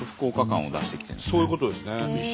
そういうことですね。